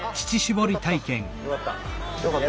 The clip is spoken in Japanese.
よかった。